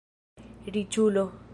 riĉulo